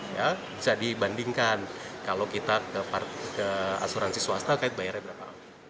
ya bisa dibandingkan kalau kita ke asuransi swasta kait bayarnya berapa